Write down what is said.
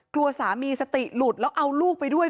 กลัวสามีสติหลุดแล้วเอาลูกไปด้วย